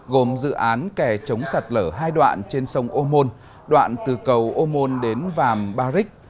gồm dự án kè chống sạt lở hai đoạn trên sông ô môn đoạn từ cầu ô môn đến vàm ba rích